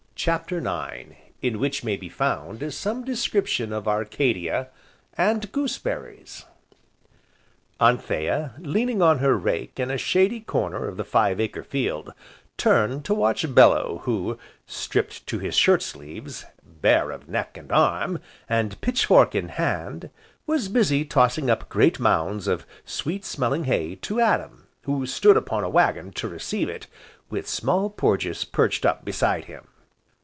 CHAPTER IX In which may be found some description of Arcadia, and gooseberries Anthea, leaning on her rake in a shady corner of the five acre field, turned to watch Bellew who, stripped to his shirt sleeves, bare of neck, and arm, and pitch fork in hand, was busy tossing up great mounds of sweet smelling hay to Adam who stood upon a waggon to receive it, with Small Porges perched up beside him.